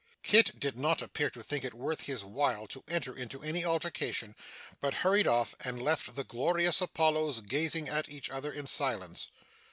Kit did not appear to think it worth his while to enter into any altercation, but hurried off and left the Glorious Apollos gazing at each other in silence.